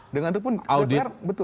dengan ataupun dpr betul